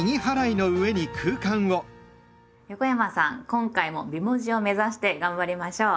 今回も美文字を目指して頑張りましょう。